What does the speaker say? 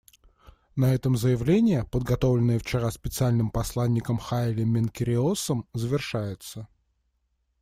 На этом заявление, подготовленное вчера Специальным посланником Хайле Менкериосом, завершается.